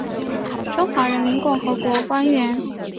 中华人民共和国官员。